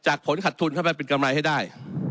จากผลขัดทุนเข้าไปปริศนิยะกำไรให้ได้